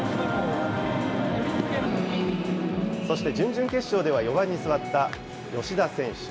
そして準々決勝では４番に座った吉田選手。